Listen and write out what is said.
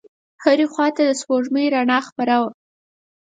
هرې خواته د سپوږمۍ رڼا خپره وه.